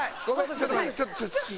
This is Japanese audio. ちょっとちょっと。